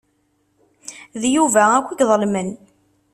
D Yuba akk i iḍelmen.